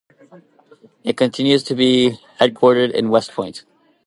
It continues to be headquartered in West Point.